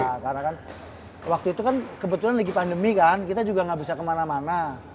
ya karena kan waktu itu kan kebetulan lagi pandemi kan kita juga nggak bisa kemana mana